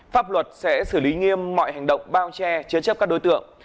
pháp luật sẽ xử lý nghiêm mọi hành động bao che chế chấp các đối tượng